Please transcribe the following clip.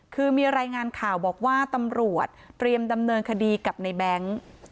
คือมีรายงานข่าวบอกว่าตำรวจเตรียมดำเนินคดีกับในแบงค์